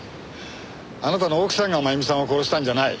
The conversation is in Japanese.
あなたの奥さんが真由美さんを殺したんじゃない。